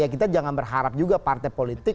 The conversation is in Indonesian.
kita jangan berharap juga partai politik